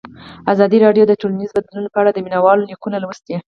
ازادي راډیو د ټولنیز بدلون په اړه د مینه والو لیکونه لوستي.